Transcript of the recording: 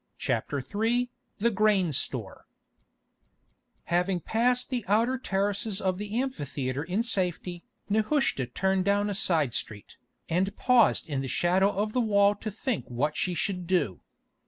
CHAPTER III THE GRAIN STORE Having passed the outer terraces of the amphitheatre in safety, Nehushta turned down a side street, and paused in the shadow of the wall to think what she should do.